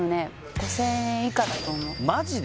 ５０００円以下だと思うマジで？